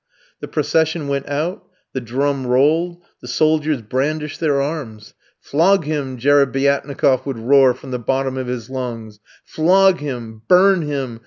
The procession went out, the drum rolled, the soldiers brandished their arms. "Flog him," Jerebiatnikof would roar from the bottom of his lungs, "flog him! burn him!